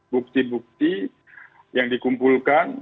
bukti bukti yang dikumpulkan